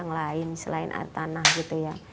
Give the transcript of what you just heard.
yang lain selain air tanah gitu ya